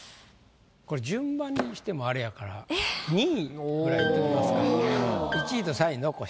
これ順番にしてもあれやから２位ぐらいいっときますか１位と３位残してね。